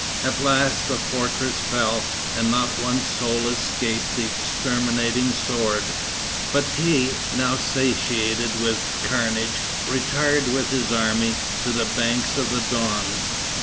At last the fortress fell, and not one soul escaped the exterminating sword. Bati, now satiated with carnage, retired, with his army, to the banks of the Don.